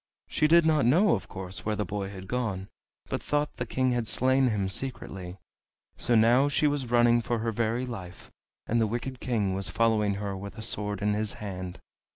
She did not know, of course, where the boy had gone, but thought the King had slain him secretly. So now she was running for her very life, and the wicked King was following her with a sword in his hand.